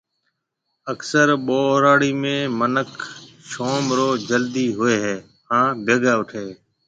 اڪثر ٻهراڙي منک شوم رو جلدي ۿوئي هي هان بيگا اوٺي هي